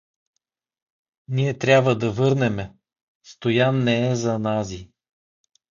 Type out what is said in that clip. Ние тряба да върнеме… Стоян не е за нази.